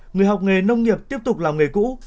người học nghề nông nghiệp tiếp tục làm nghề cũ